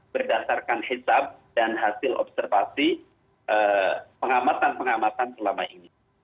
berdasarkan hisab dan hasil observasi pengamatan pengamatan selama ini